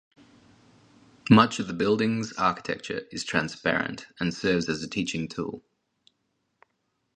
Much of the building's architecture is transparent and serves as a teaching tool.